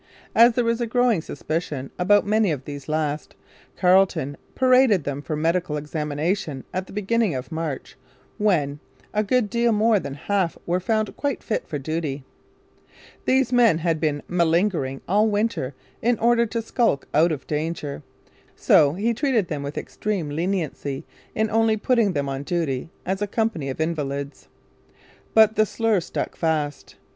As there was a growing suspicion about many of these last, Carleton paraded them for medical examination at the beginning of March, when, a good deal more than half were found quite fit for duty. These men had been malingering all winter in order to skulk out of danger; so he treated them with extreme leniency in only putting them on duty as a 'company of Invalids.' But the slur stuck fast.